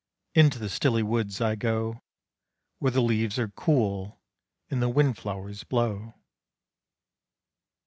Into the stilly woods I go, Where the leaves are cool and the wind flowers blow.